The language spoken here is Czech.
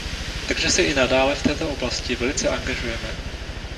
Takže se i nadále v této oblasti velice angažujeme.